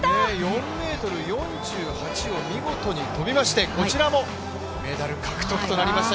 ４ｍ４８を見事に跳びましてこちらもメダル獲得となりました。